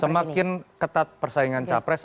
semakin ketat persaingan cawapres